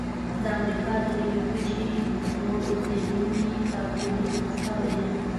د امریکا د لویې وچې نور اوسیدونکي کاتولیک مذهبه دي.